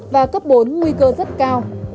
và cấp bốn nguy cơ rất cao